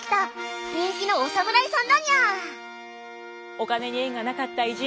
お金に縁がなかった偉人